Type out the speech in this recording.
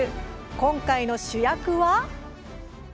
今回の主役は。